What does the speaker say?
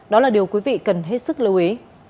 đó là điều quý vị cần hết sức lưu ý